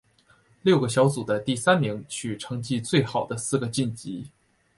六个小组的第三名取成绩最好的四个晋级。